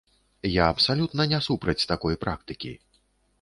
Я абсалютна не супраць такой практыкі.